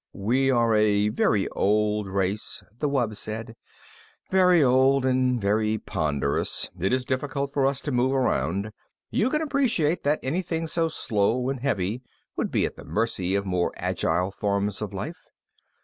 "We are a very old race," the wub said. "Very old and very ponderous. It is difficult for us to move around. You can appreciate that anything so slow and heavy would be at the mercy of more agile forms of life.